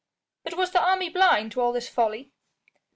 "But was the army blind to all this folly?"